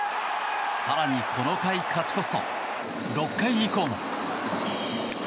更に、この回勝ち越すと６回以降も。